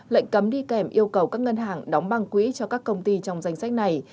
lệnh cấm đi kèm yêu cầu các ngân hàng đóng băng quỹ cho các công ty trong danh sách này